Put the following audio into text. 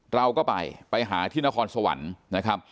เราก็ไปไปหาที่นครสวรรค์นะครับ